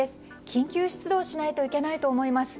緊急出動しないといけないと思います。